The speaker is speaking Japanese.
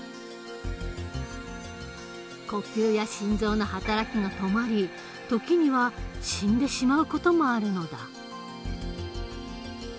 呼吸や心臓の働きが止まり時には死んでしまう事もあるのだ。